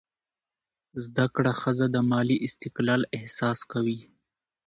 زده کړه ښځه د مالي استقلال احساس کوي.